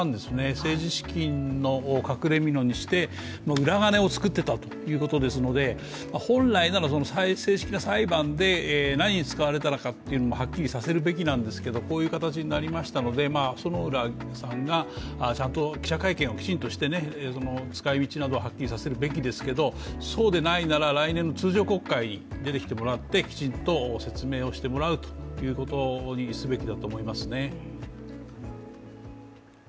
政治資金を隠れみのにして裏金を作っていたということですので本来なら正式な裁判で、何に使われたのかということもはっきりさせるべきなんですけどもこういう形になりましたので薗浦さんがちゃんと記者会見をして使いみちなどをはっきりさせるべきですけれども、そうでないなら、来年の通常国会に出てきてもらってきちんと説明をしてもらうということにすべきだと思いますね。